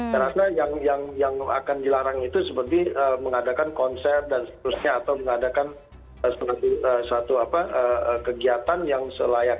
karena yang akan dilarang itu seperti mengadakan konser dan seterusnya atau mengadakan satu kegiatan yang selayak